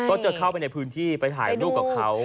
ก็จะเข้าไปในพื้นที่ไปถ่ายรูปกับเขา